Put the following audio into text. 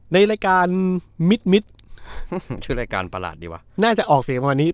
ในรายการมิดมิดชื่อรายการประหลาดดีวะน่าจะออกเสียงประมาณนี้